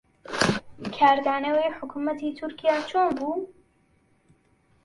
کاردانەوەی حکوومەتی تورکیا چۆن بوو؟